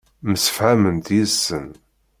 Msefhament yid-sen.